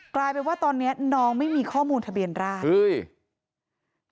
กลายเป็นว่าตอนนี้น้องไม่มีข้อมูลทะเบียนราชเฮ้ย